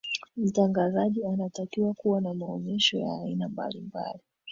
mtangazaji anatakiwa kuwa na maonesho ya aina mbalimbali